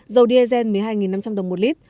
dầu diesel một mươi hai năm trăm linh đồng một lít